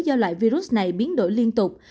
do loại virus này biến đổi liên tục